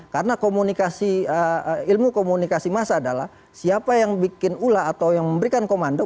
karena komunikasi ilmu komunikasi massa adalah siapa yang bikin ulah atau yang memberikan komando